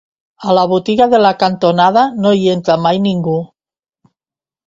A la botiga de la cantonada no hi entra mai ningú